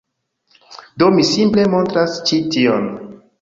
Do, mi simple montras ĉi tion